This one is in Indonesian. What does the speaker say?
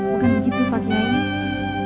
bukan begitu pak kiai